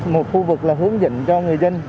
một khu vực là hướng dẫn cho người dân